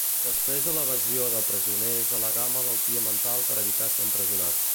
Després de l'evasió de presoners al·legà malaltia mental per evitar ser empresonat.